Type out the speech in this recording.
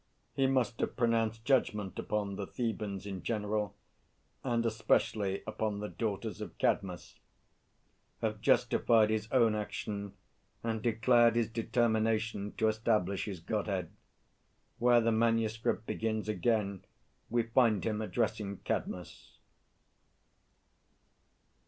He must have pronounced judgment upon the Thebans in general, and especially upon the daughters of_ CADMUS, _have justified his own action, and declared his determination to establish his godhead. Where the MS. begins again, we find him addressing_ CADMUS.